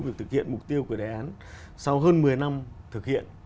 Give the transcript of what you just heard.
việc thực hiện mục tiêu của đề án sau hơn một mươi năm thực hiện